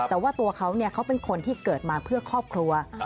แต่ว่าตัวเขาเขาเป็นคนที่เกิดมาเพื่อครอบครัว